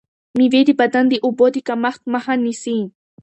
مېوې د بدن د اوبو د کمښت مخه نیسي.